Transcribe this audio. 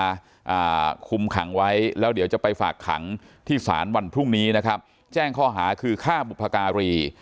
อ่าคุมขังไว้แล้วเดี๋ยวจะไปฝากขังที่ศาลวันพรุ่งนี้นะครับแจ้งข้อหาคือฆ่าบุพการี